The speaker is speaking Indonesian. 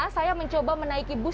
saya mencoba menaiki bus